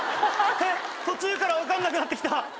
えっ途中から分かんなくなってきた。